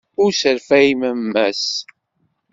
Ur sserfay mamma-s.